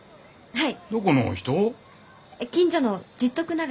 はい。